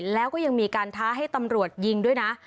แล้วก็ยังมีการท้าให้ตำรวจยิงด้วยนะ